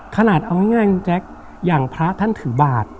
ขนาดเอาง่ายคุณแจ๊คอย่างพระท่านถือบาท